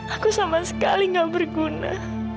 aku sama sekali gak berguna